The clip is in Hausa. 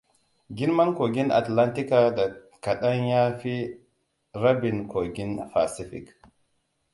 Girman Kogin Atlantika da kadan ya fi rabin kogin fasifik.